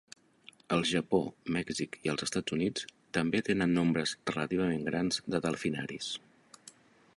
El Japó, Mèxic i els Estats Units també tenen nombres relativament grans de delfinaris.